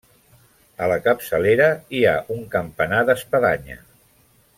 A la capçalera hi ha un campanar d'espadanya.